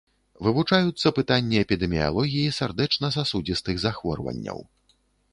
Вывучаюцца пытанні эпідэміялогіі сардэчна-сасудзістых захворванняў.